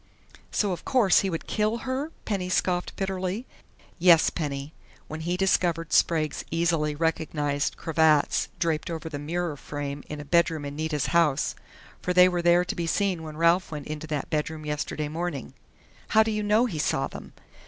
"So of course he would kill her!" Penny scoffed bitterly. "Yes, Penny when he discovered Sprague's easily recognized cravats draped over the mirror frame in a bedroom in Nita's house.... For they were there to be seen when Ralph went into that bedroom yesterday morning." "How do you know he saw them?"